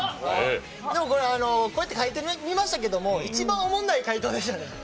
でもこれこうやって書いてみましたけども一番おもんない回答でしたね。